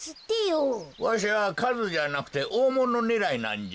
わしはかずじゃなくておおものねらいなんじゃ。